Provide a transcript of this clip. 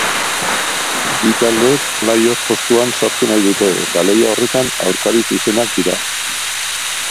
Bi taldeek play-off postuan sartu nahi dute eta lehia horretan aurkari zuzenak dira.